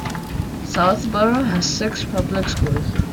Southborough has six public schools.